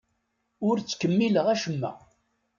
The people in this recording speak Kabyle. Ur ttkemmileɣ acemma.